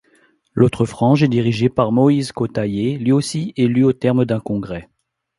L'autre frange est dirigée par Moïse Kotayé, lui aussi, élu au terme d'un congrès.